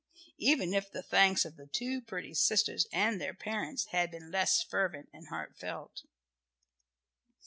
even if the thanks of the two pretty sisters and their parents had been less fervent and heartfelt.